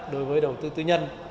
đối với đầu tư tư nhân